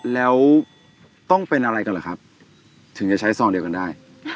แล้วต้องเป็นอะไรกันเหรอครับถึงจะใช้ซองเดียวกันได้